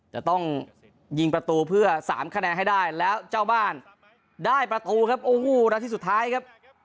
จะต้องยิงประตูเพื่อ๓คะแนนให้ได้แล้วเจ้าบ้านได้ประตูครับโอ้โหนาทีสุดท้ายครับ